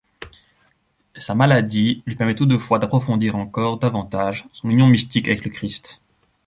Sa maladie lui permet toutefois d'approfondir encore davantage son union mystique avec le Christ.